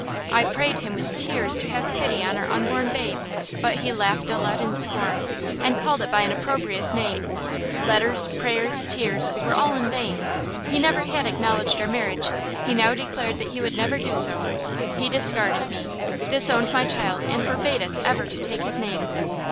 I prayed him with tears to have pity on our unborn babe; but he laughed aloud in scorn and called it by an opprobrious name! Letters, prayers, tears, were all in vain. He never had acknowledged our marriage; he now declared that he never would do so; he discarded me, disowned my child and forbade us ever to take his name!"